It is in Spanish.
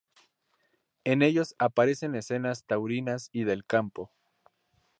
En ellos aparecen escenas taurinas y del campo.